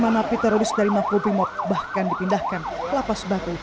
satu ratus empat puluh lima napi teroris dari makro pimot bahkan dipindahkan ke lapas batu